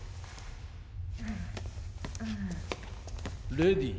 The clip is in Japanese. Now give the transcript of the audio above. レディー